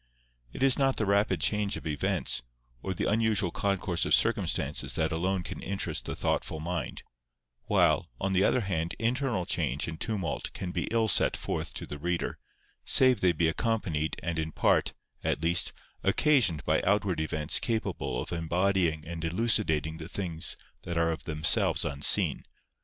It is not the rapid change of events, or the unusual concourse of circumstances that alone can interest the thoughtful mind; while, on the other hand, internal change and tumult can be ill set forth to the reader, save they be accompanied and in part, at least, occasioned by outward events capable of embodying and elucidating the things that are of themselves unseen.